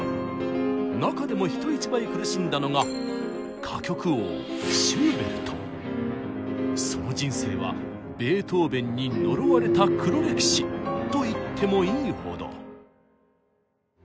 中でも人一倍苦しんだのがその人生はベートーベンに呪われた黒歴史と言ってもいいほど。